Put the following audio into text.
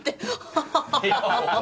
ハハハ。